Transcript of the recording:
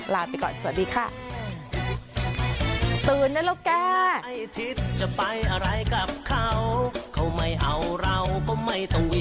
ลาไปก่อนสวัสดีค่ะ